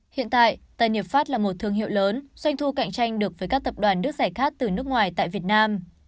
hiện tại tân hiệp pháp là một thương hiệu lớn doanh thu cạnh tranh được với các tập đoàn nước giải khác từ nước ngoài tại việt nam